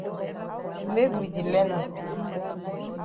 Make we di learn am.